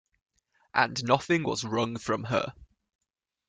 And nothing was wrung from her.